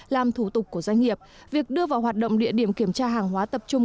làm thủ tục của doanh nghiệp việc đưa vào hoạt động địa điểm kiểm tra hàng hóa tập trung